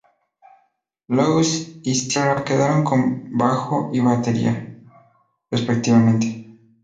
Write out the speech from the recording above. Louise y Sierra quedaron con bajo y batería, respectivamente.